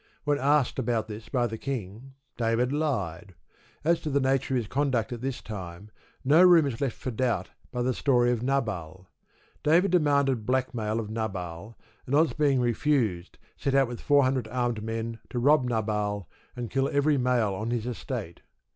When asked about this by the king, David lied. As to the nature of his conduct at this time, no room is left for doubt by the story of Nabal. David demanded blackmail of Nabal, and, on its being refused, set out with four hundred armed men to rob Nabal, and kill every male on his estate.